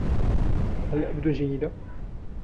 هل أبدو جيّدة؟